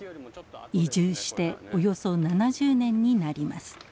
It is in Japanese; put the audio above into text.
移住しておよそ７０年になります。